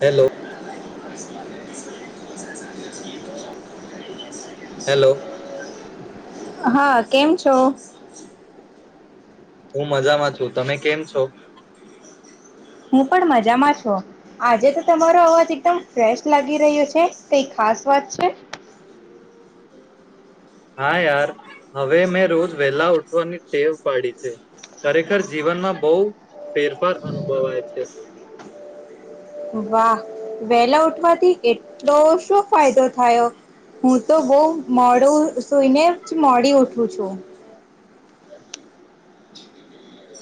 Hello [inaudible] hello [inaudible] હા કેમ છો? હું મજામાં છું, તમે કેમ છો? હું પણ મજામાં છું, આજે તો તમારો અવાજ એકદમ ફ્રેશ લાગી રહ્યો છે કઈ ખાસ વાત છે? હા યાર હવે મેં રોજ વહેલા ઉઠવાની ટેવ પાડી છે, ખરેખર જીવનમાં બહ ફેરફાર અનુભવાય છે. વાહ વેલા ઉઠવાથી એટલો શું ફાયદો થયો? હું તો બહ મોડું સુઈને જ મોડી ઉઠું છું.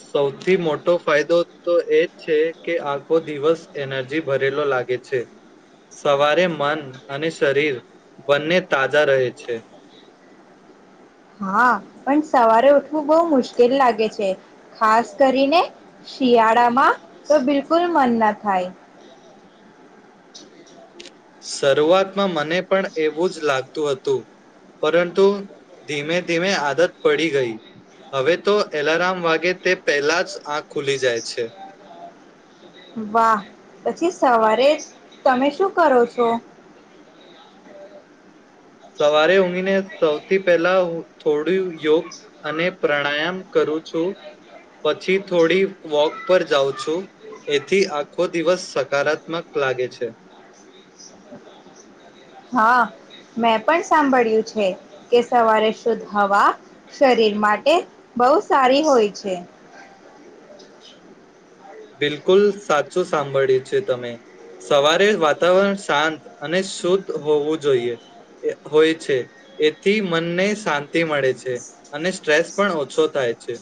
સૌથી મોટો ફાયદો તો એ જ છે કે આખો દિવસ એનર્જી ભરેલો લાગે છે, સવારે મન અને શરીર બંને તાજા રહે છે. હા પણ સવારે ઉઠવું બહુ મુશ્કેલ લાગે છે, ખાસ કરીને શિયાળામાં તો બિલકુલ મન ના થાય. જ [unintelligible] શરૂઆતમાં મને પણ એવું જ લાગતું હતું, પરંતુ ધીમે ધીમે આદત પડી ગઈ, હવે તો એલારમ વાગે તે પહેલા જ આંખ ખુલી જાય છે. વાહ પછી સવારે જ તમે શું કરો છો? સવારે ઊંઘી ને થી પહેલા થોડું યોગ અને પ્રાણાયામ કરું છું, પછી થોડી વોક પર જાઉં છું, એથી આખો દિવસ સકારાત્મક લાગે છે. હા મેં પણ સાંભળ્યું છે કે સવારે શુદ્ધ હવા શરીર માટે બહુ સારી હોય છે. બિલકુલ સાચું સાંભળ્યું છે તમે, સવારે વાતાવરણ શાંત અને શુદ્ધ હોવું જોઈએ હોય છે એથી મનને શાંતિ મળે છે, અને સ્ટ્રેસ પણ ઓછો થાય છે,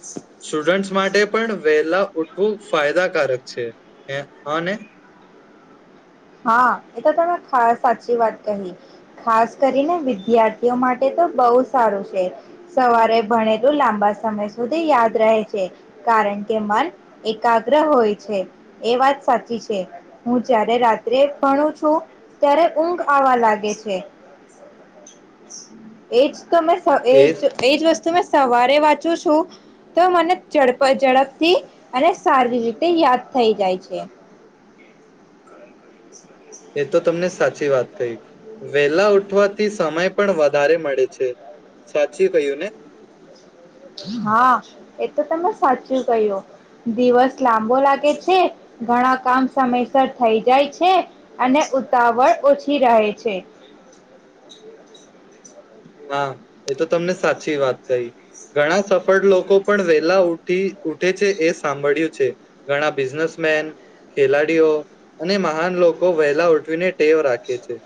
સ્ટુડન્ટસ માટે પણ વહેલા ઉઠવું. ફાયદાકારક છે, અને હા એ તો તમે સાચી વાત કહી, ખાસ કરીને વિદ્યાર્થીઓ માટે તો બહુ સારું છે, સવારે ભણેલું લાંબા સમય સુધી યાદ રહે છે, કારણ કે મન એકાગ્ર હોય છે એ વાત સાચી છે, હું જયારે રાત્રે ભણું છું ત્યારે ઊંઘ આવા લાગે છે, એ જ તો મે એ જ એ જ વસ્તુ સવારે વાંચું છું, તો મને ડપ ઝડપથી અને સારી રીતે યાદ થઈ જાય છે. બ [unintelligible] એ તો તમને સાચી વાત કહી, વેલા ઉઠવાથી સમય પણ વધારે મળે છે, સાચી કહ્યું ને? હા એ તો તમે સાચું કહ્યું, દિવસ લાંબો લાગે છે ઘણા કામ સમયસર થઈ જાય છે, અને ઉતાવળ ઓછી રહે છે. હા એ તો તમને સાચી વાત કહી, ઘણા સફળ લોકો પણ વહેલા ઉઠી ઉઠે છે એ સાંભળ્યું છે, ઘણા બિઝનેસમેન, ખેલાડીઓ અને મહાન લોકો વેલા ઉઠવીને ટેવ રાખે છે.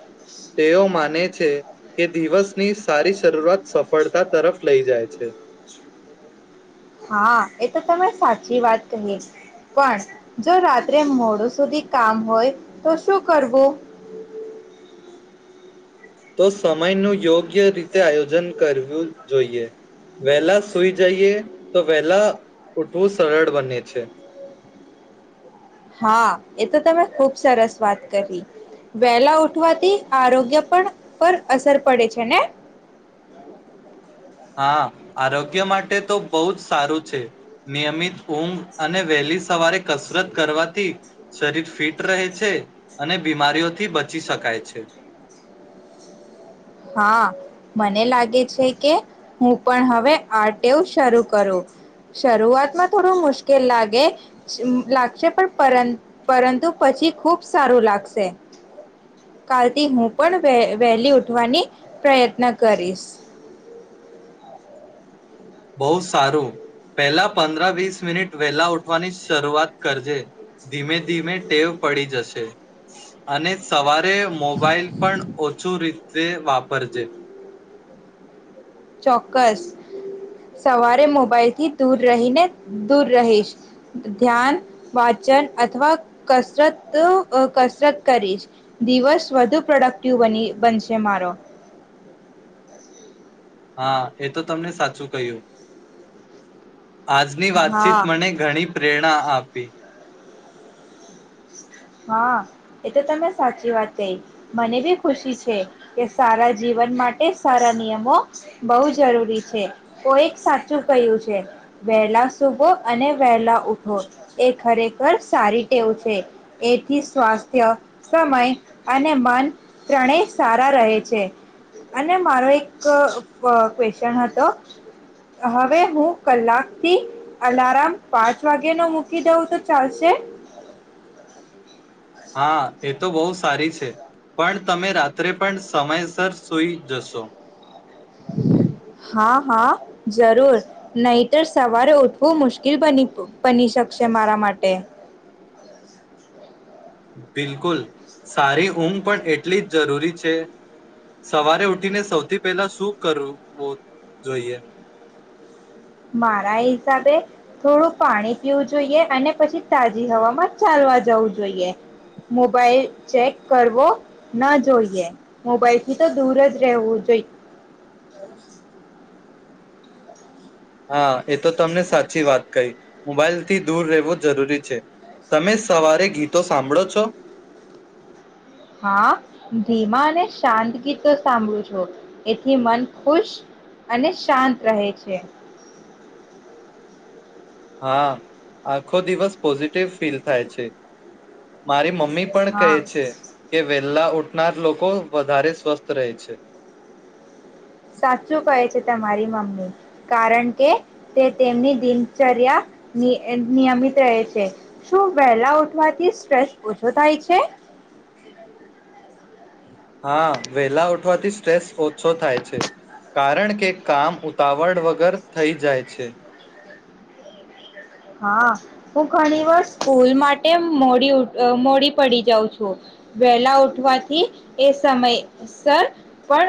તેઓ માને છે કે દિવસ ની સારી શરૂઆત સફળતા તરફ લઈ જાય છે. હા, એ તો તમે સાચી વાત કહી. પણ, જો રાત્રે મોડું સુધી કામ હોય તો શું કરવું? તો સમયનો યો ગ્ય રીતે આયોજન કરવું જોઈએ. વેલા સુઈ જઈએ તો વેલા ઉઠવું સરળ બને છે. હા, એ તો તમે ખુબ સરસ વાત કરી. વેલા ઉઠવાથી આરોગ્ય પણ પર અસર પડે છે ને? હા, આરોગ્ય માટે તો બોવ જ સારું છે. નિયમિત ઊંઘ અને વેલી સવારે કસરત કરવાથી શરીર ફિટ રહે છે અને બીમારીઓથી બચી શકાય છે. હા, મને લાગે છે કે હું પણ હવે આ ટેવ શરૂ કરું. શરૂઆતમાં થોડું મુશ્કેલ લાગે સ અં લાગશે પણ પરં પરંતુ પછી ખુબ સારું લાગશે. કાલથી હું પણ વેહ વેહલી ઉ ઠવાની પ્રયત્ન કરીશ. બોવ સારું પેલા પંદ્રા વીસ મિનિટ વેહલા ઉઠવાની શરૂઆત કરજે. ધીમે ધીમે ટેવ પડી જશે અને સવા રે મોબાઈલ પણ ઓછું રી તે વાપરજે. ચોક્કસ, સવારે મોબાઈલથી દૂર રહીને દૂર રહીશ. ધ્ ધ્યાન વાચન અથવા કસરત અ કસરત કરીશ. દિવસ વધુ પ્રોડક્ટિવ બની બનશે મારો. હા, એ તો તમને સાચું કહ્યું. આજની વાતચીત હા મને ઘણી પ્રેર ણા આપી. હા, એ તો તમે સાચી વાત કહી. મને બી ખુશી છે કે સારા જીવન માટે સારા નિયમો બોવ જરૂરી છે. કોઈ એ સાચું કહ્યું છે, વેહલા સુભો અને વેહલા ઉઠો એ ખરેખર સારી ટેવ છે. એથી સ્વાસ્થ્ય, સમય અને મન ત્રણેય સારા રહે છે અને મારો એક અ ક્વેશ્ચન હતો. હવે હું કલાકથી અલારામ પાંચ વાગેનો મૂકી દઉં તો ચાલશે? [inaudible] હા, એ તો બોવ સારી છે. પણ તમે રાત્રે પણ સમયસર સુઈ જશો. હા હા જરૂર, નહીતર સવારે ઉઠવું મુશ્કીલ બની પ બની શકશે મારા માટે. બિલકુલ સારી ઊંઘ પણ એટલી જ જરૂરી છે સવારે ઉઠીને સૌથી પહેલા શું કરવું જોઈએ. મારા હિસાબે થોડું પાણી પીવું જોઈએ અને પછી તાજી હવામાં ચાલવા જવું જોઈએ મોબાઈલ ચેક કરવો ન જોઈએ મોબાઈલ થી તો દૂર જ રહેવું જોઈએ. હા એ તો તમને સાચી વાત કહી મોબાઈલથી દૂર રહેવું જરૂરી છે તમે સવારે ગીતો સાંભળો છો. હા ધીમા અને શાંદગી તો સાંભળું છો એથી મન ખુશ અને શાંત રહે છે. હા આખો દિવસ પોઝિટિવ ફીલ થાય છે. મારી મમ્મી પણ કહે હા છે કે વેલા ઉ ઊઠનાર લોકો વધારે સ્વસ્થ રહે છે. સાચું કહે છે તમારી મમ્મી કારણ કે તે તેમની દિનચર્યા નિયમિત રહે છે શું વહેલા ઉઠવાથી સ્ટ્રેસ ઓછો થાય છે. હા વેલા ઉઠવાથી સ્ટ્રેસ ઓછો થાય છે કારણ કે કામ ઉતાવળ વગર થઈ જાય છે. હા. હું ઘણી વાર સ્કૂલ માટે એ મોડી ઉઠ મોડી પડી જાઉં છું વહેલા ઉઠવાથી એ સમયસર પણ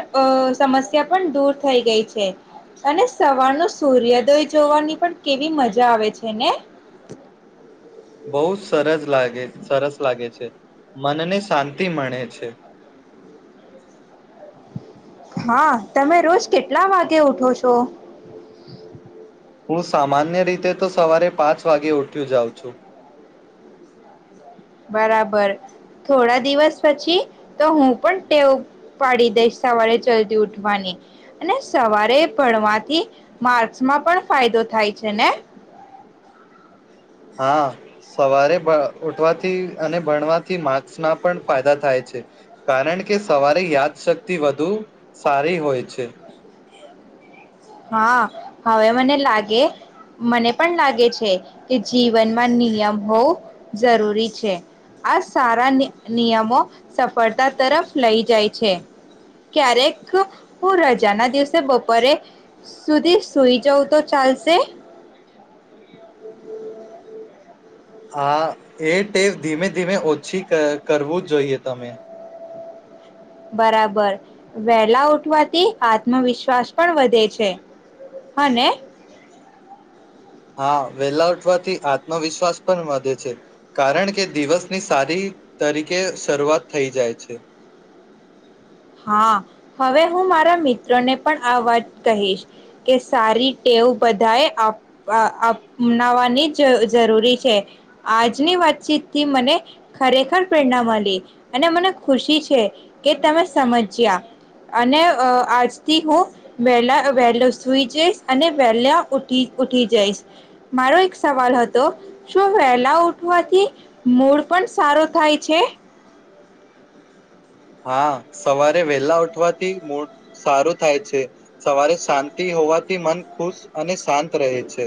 સમસ્યા પણ દૂર થઈ ગઈ છે અને સવારનો સૂર્યોદય જોવાની પણ કેવી મજા આવે છે. છે ને? બહુ સરસ લાગે સરસ લાગે છે મનને શાંતિ મળે છે. હા તમે રોજ કેટલા વાગે ઉઠો છો. હું સામાન્ય રીતે તો સવારે પાંચ વાગે ઉઠ્યું જાઉં છું. બરાબર થોડા દિવસ પછી તો હું પણ ટેવ પાડી દઈશ સવારે જલ્દી ઉઠવાની અને સવારે ભણવાથી માર્સમાં પણ ફાયદો થાય છે ને. હા સવારે ઉઠવાથી અને ભણવાથી માક્સના પણ ફાયદા થાય છે કારણ કે સવારે યાદશક્તિ વધુ સારી હોય છે. હા હવે મને લાગે મને પણ લાગે છે કે જીવનમાં નિયમ હોવું જરૂરી છે આ સારા નિયમો સફળતા તરફ લઈ જાય છે ક્યારેક હું રજાના દિવસે બપોરે સુધી સુઈ જવું તો ચાલશે. હા એ ટેવ ધીમે ધીમે ઓછી કરવું જોઈએ તમે. બરાબર વહેલા ઉઠવાથી આત્મવિશ્વાસ પણ વધે છે અને હા વેહલા ઉઠવાથી આત્મવિશ્વાસ પણ વધે છે કારણ કે દિવસની સારી રીતે શરૂઆત થઈ જાય છે. હા હવે હું મારા મિત્રોને પણ આ વાત કહીશ કે સારી ટેવ બધાએ આપ અપનાવાની જ જરૂરી છે આજની વાતચીતથી મને ખરેખર પ્રેરણા મળી અને મને ખુશી છે કે તમે સમજ્યા અને આજથી હું વેલા વહેલો સુઈ જઈશ અને વહેલા ઉઠી ઉઠી જઈશ મારો એક સવાલ હતો. શું વહેલા ઉઠવાથી મૂળ પણ સારો થાય છે? હા સવારે વેલા ઉઠવાથી મૂડ સારું થાય છે સવારે શાંતિ હોવાથી મન ખુશ અને શાંત રહે છે.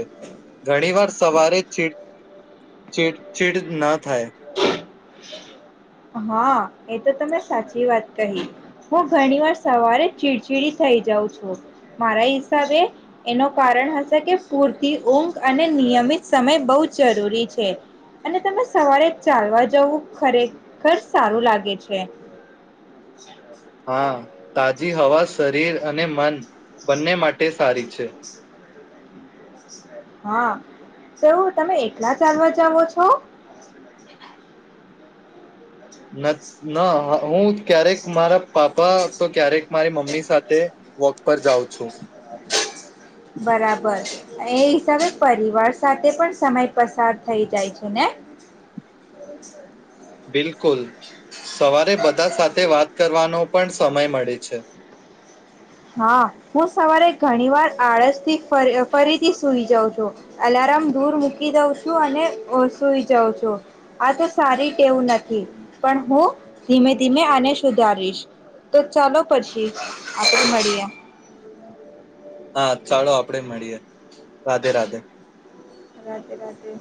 ઘણી વાર સવારે છેક ચીડ ચીડ ના થાય. હા એ તો તમે સાચી વાત કહી હું ઘણી વાર સવારે ચીડચીડી થઈ જાઉં છું. મારા હિસાબે એનું કારણ હશે કે પૂરતી ઊંઘ અને નિયમિત સમય બહુ જરૂરી છે અને તમે સવારે ચાલવા જવું ખરેખર સારું લાગે છે. હા તાજી હવા શરીર અને મન બંને માટે સારી છે. હા તોવું તમે એક ના ચાલવા જાવો તો [inaudible] ના હું ક્યારેક મારા પાપા તો ક્યારેક મારી મમ્મી સાથે વોક પર જાઉં છું. બરાબર. એ હિસાબે પરિવાર સાથે પણ સમય પસાર થઈ જાય છે ને? બિલકુલ. સવારે બધા સાથે વાત કરવાનો પણ સમય મળે છે. હા, હું સવારે ઘણી વાર આળસથી ફરીથી સુઈ જાઉં છું. અલાર્મ દૂર મૂકી દઉં છું અને સુઈ જાઉં છું આ તો સારી ટેવું નથી પણ, હું ધીમે ધીમે આને સુધારીશ તો ચાલો પછી આપ [inaudible] હા ચાલો આપડે મળીએ. રાધે રાધે. રાધે રાધે.